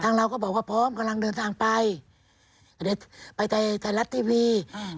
ทางเราก็บอกว่าพร้อมกำลังเดินทางไปเดี๋ยวจะไปที่รัฐทีวีอืม